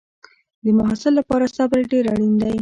د محصل لپاره صبر ډېر اړین دی.